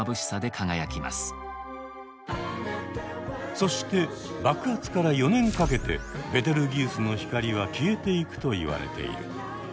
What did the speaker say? そして爆発から４年かけてベテルギウスの光は消えていくといわれている。